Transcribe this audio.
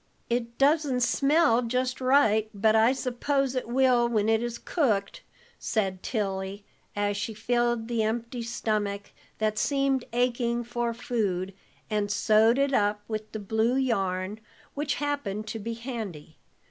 "It doesn't smell just right, but I suppose it will when it is cooked," said Tilly, as she filled the empty stomach, that seemed aching for food, and sewed it up with the blue yarn, which happened to be handy.